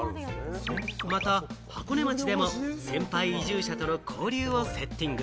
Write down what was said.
また箱根町でも先輩移住者との交流をセッティング。